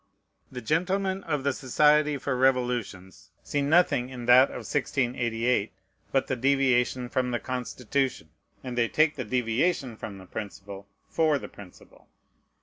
The gentlemen of the Society for Revolutions see nothing in that of 1688 but the deviation from the Constitution; and they take the deviation from the principle for the principle.